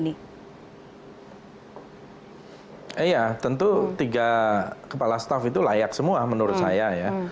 iya tentu tiga kepala staff itu layak semua menurut saya ya